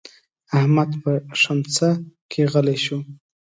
احمد په ښمڅه کې غلی شو.